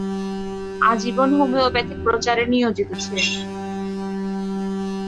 আজীবন হোমিওপ্যাথিক প্রচারে নিয়োজিত ছিলেন।